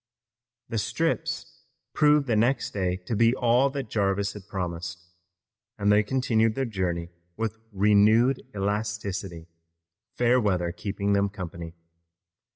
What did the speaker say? The strips proved the next day to be all that Jarvis had promised, and they continued their journey with renewed elasticity, fair weather keeping them company.